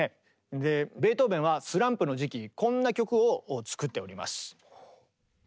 でベートーベンはスランプの時期こんな曲を作っております。